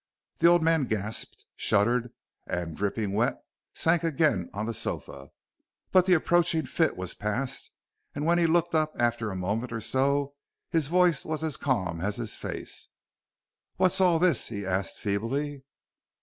The old man gasped, shuddered, and, dripping wet, sank again on the sofa. But the approaching fit was past, and when he looked up after a moment or so, his voice was as calm as his face. "What's all this?" he asked, feebly.